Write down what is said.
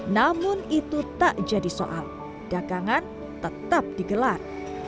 namun itu tak jadi soal dagangan tetap digelar